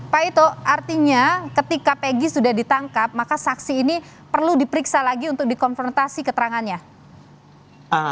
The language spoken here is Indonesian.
pak ito artinya ketika pegi sudah ditangkap maka saksi ini perlu diperiksa lagi untuk dikonfrontasi keterangannya